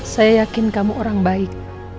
saya yakin kamu orang baik